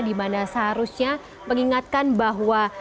di mana seharusnya mengingatkan bahwa